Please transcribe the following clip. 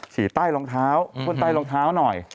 ใต้รองเท้าคนใต้รองเท้าหน่อย